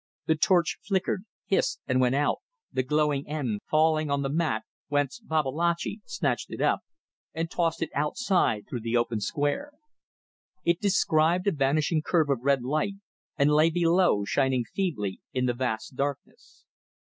The torch flickered, hissed, and went out, the glowing end falling on the mat, whence Babalatchi snatched it up and tossed it outside through the open square. It described a vanishing curve of red light, and lay below, shining feebly in the vast darkness.